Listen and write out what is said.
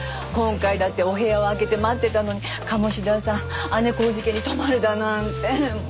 今回だってお部屋を空けて待ってたのに鴨志田さん姉小路家に泊まるだなんて。